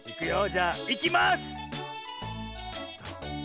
じゃあいきます！